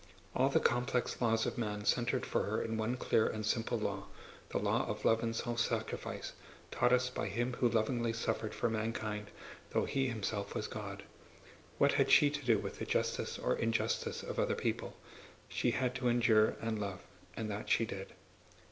All the complex laws of man centered for her in one clear and simple law—the law of love and self sacrifice taught us by Him who lovingly suffered for mankind though He Himself was God. What had she to do with the justice or injustice of other people? She had to endure and love, and that she did.